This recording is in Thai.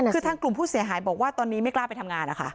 คือทางกลุ่มผู้เสียหายบอกว่าตอนนี้ไม่กล้าไปทำงานนะคะ